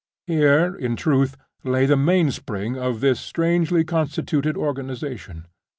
Here, in truth, lay the mainspring of this strangely constituted organization.